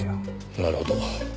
なるほど。